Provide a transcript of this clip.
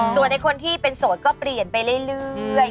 ส่วนในคนที่เป็นโสดก็เปลี่ยนไปเรื่อย